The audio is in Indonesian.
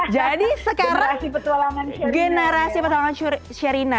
jadi sekarang generasi petualangan syarina